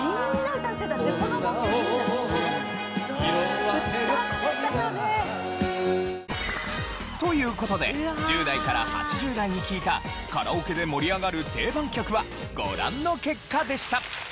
歌ってたよね。という事で１０代から８０代に聞いたカラオケで盛り上がる定番曲はご覧の結果でした。